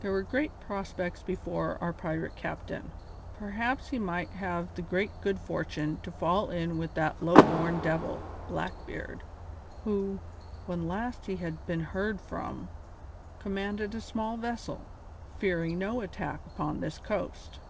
There were great prospects before our pirate captain. Perhaps he might have the grand good fortune to fall in with that low born devil, Blackbeard, who, when last he had been heard from, commanded but a small vessel, fearing no attack upon this coast.